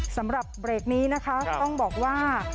สำหรับเบรกนี้นะคะต้องบอกว่า